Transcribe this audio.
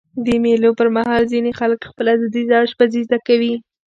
د مېلو پر مهال ځيني خلک خپله دودیزه اشپزي زده کوي.